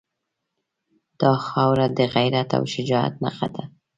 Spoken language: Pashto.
دا خاوره د غیرت او شجاعت نښه ده.